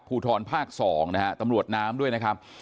ภูทรภาค๒นะฮะตำรวจน้ำด้วยนะครับ